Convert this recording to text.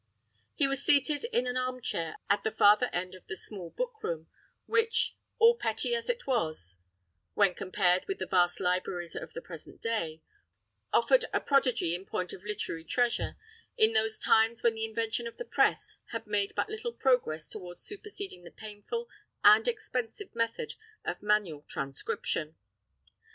He was seated in an arm chair, at the farther end of the small book room, which, all petty as it was, when compared with the vast libraries of the present day, offered a prodigy in point of literary treasure, in those times when the invention of the press had made but little progress towards superseding the painful and expensive method of manual transcription.